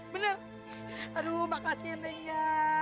bener aduh mbak kasihan nya